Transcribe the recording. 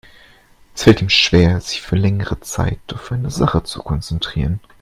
Es fällt ihm schwer, sich für längere Zeit auf eine Sache zu konzentrieren.